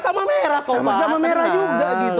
sama merah sama merah juga gitu